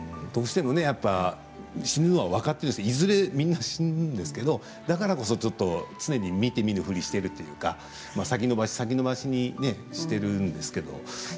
どうしてもね、やっぱ死ぬのは分かってるしいずれ、みんな死ぬんですけどだからこそちょっと常に見て見ぬふりしてるというか先延ばし、先延ばしにしてるんですけど。